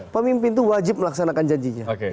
pemimpin itu wajib melaksanakan janjinya